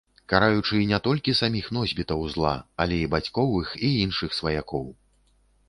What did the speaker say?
Караючы не толькі саміх носьбітаў зла, але і бацькоў іх і іншых сваякоў.